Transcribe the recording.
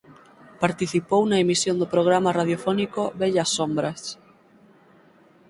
Participou na emisión do programa radiofónico "Vellas sombras.